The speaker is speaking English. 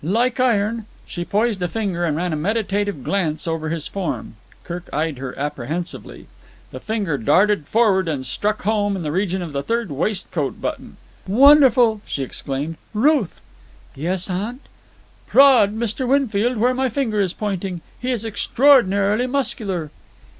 "Like iron." She poised a finger and ran a meditative glance over his form. Kirk eyed her apprehensively. The finger darted forward and struck home in the region of the third waistcoat button. "Wonderful!" she exclaimed. "Ruth!" "Yes, aunt." "Prod Mr. Winfield where my finger is pointing. He is extraordinarily muscular."